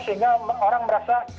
sehingga orang merasa